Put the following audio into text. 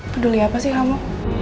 peduli apa sih kamu